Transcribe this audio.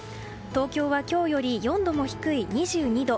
東京は今日より４度も低い２２度。